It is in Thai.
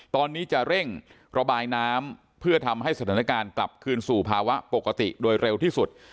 ตอนนี้จะเร่งระบายน้ำเพื่อทำให้สถานการณ์กลับคืนสู่ภาวะปกติโดยเร็วที่สุด